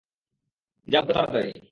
যাও, ভাগো তাড়াতাড়ি!